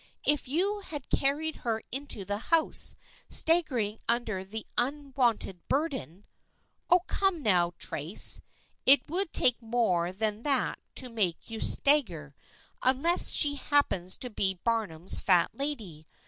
If you had carried her into the house, staggering under the unwonted burden "" Oh, come now, Trace, it would take more than that to make you stagger, unless she happens to be Barnum's Fat Lady.